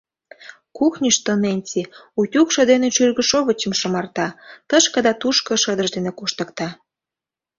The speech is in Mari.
Кухньышто Ненси утюгшо дене шӱргышовычым шымарта, тышке да тушко шыдыж дене коштыкта.